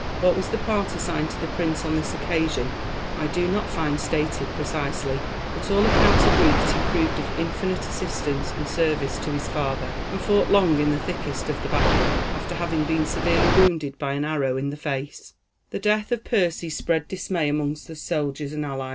What was the part assigned to the prince on this occasion I do not find stated precisely; but all accounts agree that he proved of infinite assistance and service to his father, and fought long in the thickest of the battle, after having been severely wounded by an arrow in the face.